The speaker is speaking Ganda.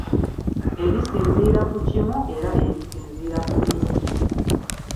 Erisinziira ku kimu era erisinziira ku bingi.